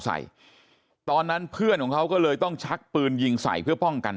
ตอนนั้นเพื่อนของเขาก็เลยต้องชักปืนยิงใส่เพื่อป้องกัน